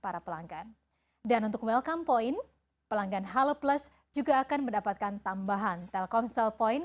dan untuk welcome point pelanggan halo plus juga akan mendapatkan tambahan telkomsel point